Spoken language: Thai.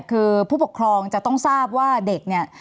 คือผู้ปกครองจะต้องทราบว่าเด็กเนี่ย